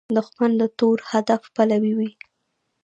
دښمن د تور هدف پلوي وي